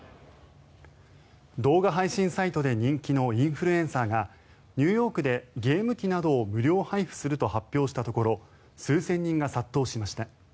動画配信サイトで人気のインフルエンサーがニューヨークでゲーム機などを無料配布すると発表したところ数千人が殺到しました。